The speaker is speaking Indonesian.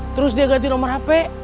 terus dia ganti nomor hp